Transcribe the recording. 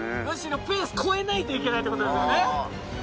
むしろペース超えないといけないってことですよね。